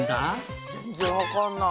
全然わかんない。